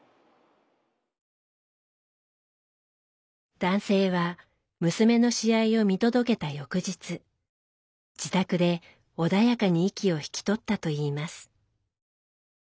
男性は娘の試合を見届けた翌日自宅で穏やかに息を引き取ったといいます。